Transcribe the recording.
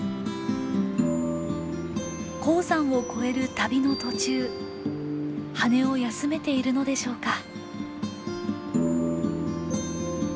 高山を越える旅の途中羽を休めているのでしょうか？